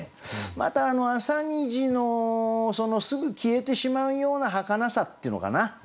また朝虹のすぐ消えてしまうようなはかなさっていうのかな。